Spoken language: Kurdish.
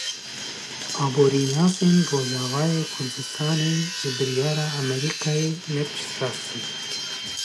Aborînasên Rojavayê Kurdistanê ji biryara Amerîkayê ne piştrast in.